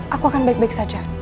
aku akan baik baik saja